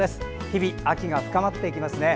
日々秋が深まっていきますね。